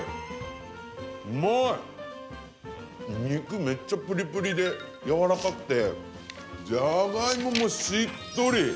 肉めっちゃプリプリでやわらかくてじゃがいももしっとり。